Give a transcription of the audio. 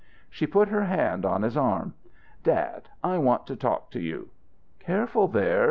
She put her hand on his arm. "Dad, I want to talk to you." "Careful there.